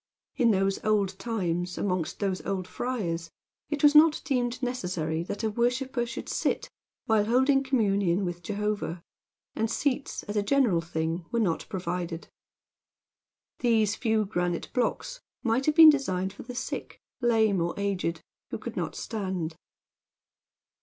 In those old times, and amongst those old friars, it was not deemed necessary that a worshiper should sit while holding communion with Jehovah; and seats, as a general thing, were not provided. These few granite blocks might have been designed for the sick, lame, or aged, who could not stand.